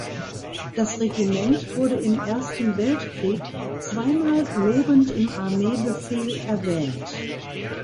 Das Regiment wurde im Ersten Weltkrieg zweimal lobend im Armeebefehl erwähnt.